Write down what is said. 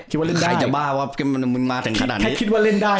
คิดว่าเล่นได้ใครจะบ้าว่ามันมาถึงขนาดนี้แค่คิดว่าเล่นได้น่ะ